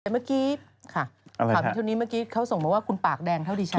แต่เมื่อกี้ค่ะข่าวนี้เท่านี้เมื่อกี้เขาส่งมาว่าคุณปากแดงเท่าที่ฉัน